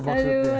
apa itu maksudnya